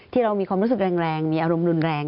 ที่เรามีความรู้สึกแรงมีอารมณ์รุนแรง